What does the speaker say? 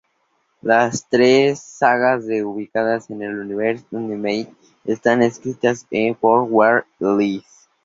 Las tres sagas están ubicadas en universo Ultimate y están escritas por Warren Ellis.